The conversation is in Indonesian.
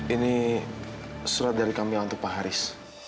ini surat dari kami untuk pak haris